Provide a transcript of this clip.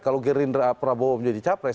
kalau gerindra prabowo menjadi capres